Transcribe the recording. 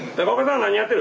何やってる？